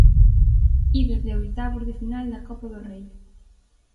Ida de oitavos de final da Copa do Rei.